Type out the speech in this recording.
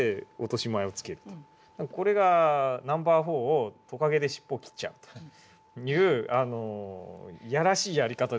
これがナンバー４をトカゲで尻尾切っちゃうという嫌らしいやり方ですけど。